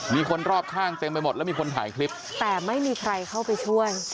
มีคนรอบข้างเต็มไปหมดแล้วมีคนถ่ายคลิปแต่ไม่มีใครเข้าไปช่วย